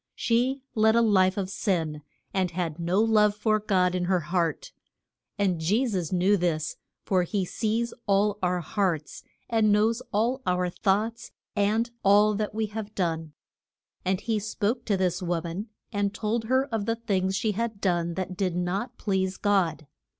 She led a life of sin, and had no love for God in her heart. And Je sus knew this, for he sees all our hearts, and knows all our thoughts, and all that we have done. And he spoke to the wo man, and told her of the things she had done that did not please God.